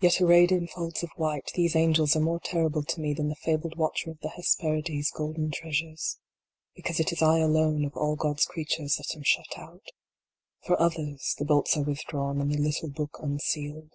Yet arrayed in folds of white, these angels are more terrible to me than the fabled watcher of the Hesperides golden treasures. Because it is I alone of all God s creatures that am shut out For others the bolts are withdrawn, and the little book unsealed.